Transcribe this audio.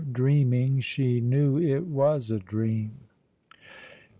"dreaming, she knew it was a dream."